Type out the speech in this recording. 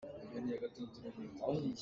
A inn a hmetuk mi kha a ning a zak.